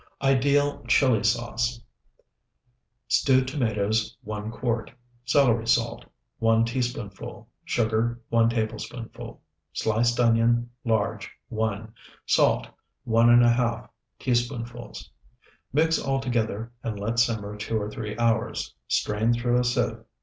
IDEAL CHILI SAUCE Stewed tomatoes, 1 quart. Celery salt, 1 teaspoonful. Sugar, 1 tablespoonful. Sliced onion, large, 1. Salt, 1½ teaspoonfuls. Mix all together and let simmer two or three hours. Strain through a sieve.